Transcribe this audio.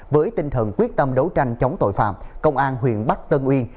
với tinh thần quyết tâm đấu tranh chống tội phạm công an huyện bắc tân uyên